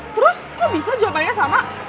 terus kok bisa jawabannya sama